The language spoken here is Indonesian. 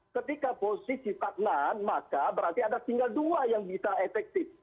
ketika posisi stagnan maka berarti ada tinggal dua yang bisa efektif